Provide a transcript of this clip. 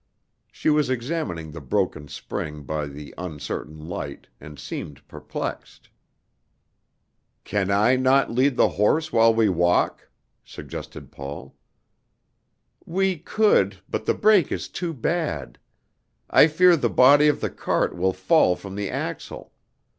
She was examining the broken spring by the uncertain light, and seemed perplexed. "Can I not lead the horse while we walk?" suggested Paul. "We could, but the break is too bad. I fear the body of the cart will fall from the axle.